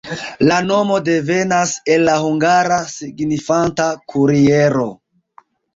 La nomo devenas el la hungara, signifanta kuriero.